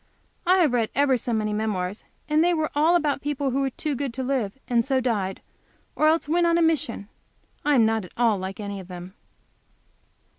I have read ever so many memoirs, and they were all about people who were too good to live, and so died; or else went on a mission. I am not at all like any of them.